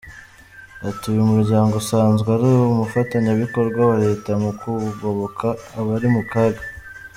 Ati “uyu muryango usanzwe ari umufatanyabikorwa wa Leta mu kugoboka abari mu kaga.